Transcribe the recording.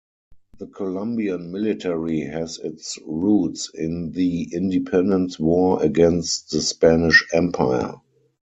The Colombian military has its roots in the independence war against the Spanish Empire.